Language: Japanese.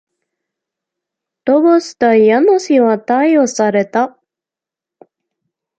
逃亡した家主は逮捕された。